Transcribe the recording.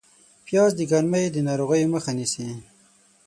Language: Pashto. پیاز د ګرمۍ د ناروغیو مخه نیسي